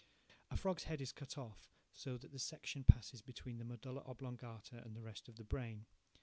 A frog's head is cut off so that the section passes between the medulla oblongata and the rest of the brain.